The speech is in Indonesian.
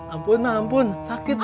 ampun mah ampun sakit